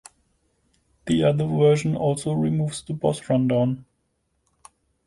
The other version also removes the boss rundown.